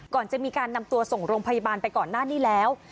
ก่อนจะมีการนำตัวส่งโรงพยาบาลไปก่อนหน้านี้แล้ว